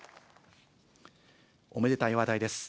おめでたい話題です。